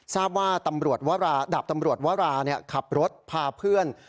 ทราบว่าดับตำรวจว่าราเนี่ยขับรถพาเพื่อน